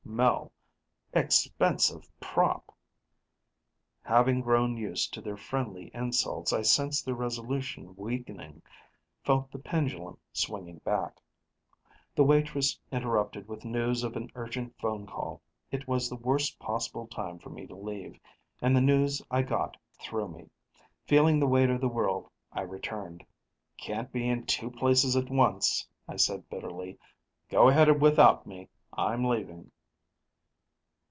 Mel: "Expensive prop." Having grown used to their friendly insults, I sensed their resolution weakening, felt the pendulum swinging back. The waitress interrupted with news of an urgent phone call. It was the worst possible time for me to leave. And the news I got threw me. Feeling the weight of the world, I returned. "Can't be in two places at once," I said bitterly. "Go ahead without me; I'm leaving."